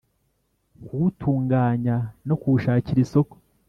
kuwutunganya no kuwushakira isoko.